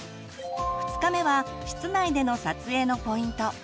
２日目は室内での撮影のポイント。